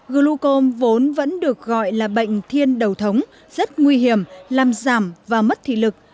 glucom vốn vẫn được gọi là bệnh thiên đầu thống rất nguy hiểm làm giảm và mất thị lực